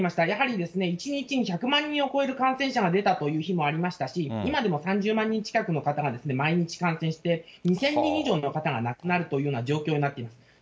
やはり、１日に１００万人を超える感染者が出たという日もありましたし、今でも３０万人近くの方が毎日感染して、２０００人以上の方が亡くなるというような状況になっています。